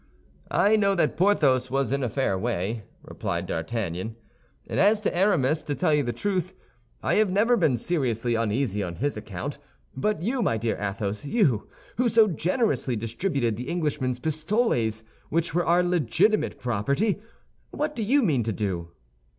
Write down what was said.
"I know that Porthos was in a fair way," replied D'Artagnan; "and as to Aramis to tell you the truth, I have never been seriously uneasy on his account. But you, my dear Athos—you, who so generously distributed the Englishman's pistoles, which were our legitimate property—what do you mean to do?"